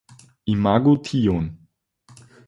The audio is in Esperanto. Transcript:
Imagu tion.